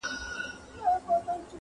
o چي و ويشت نه سې، خبر به نه سې!